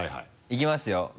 いきますよ？